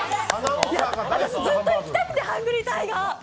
私、ずっと行きたくて、ハングリータイガー！